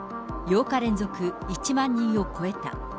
８日連続１万人を超えた。